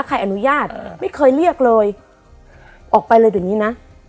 ใครอนุญาตไม่เคยเรียกเลยออกไปเลยเดี๋ยวนี้นะ